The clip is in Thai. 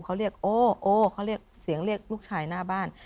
เขาเรียกโอโอเขาเรียกเสียงเรียกลูกชายหน้าบ้าน